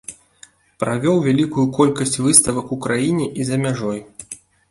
Правёў вялікую колькасць выставак у краіне і за мяжой.